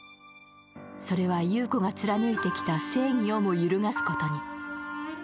それは、由宇子が貫いてきた正義をも揺るがすことに。